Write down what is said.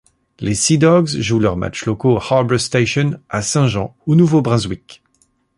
Les Sea Dogs jouent leurs matchs locaux au Harbour Station, à Saint-Jean au Nouveau-Brunswick.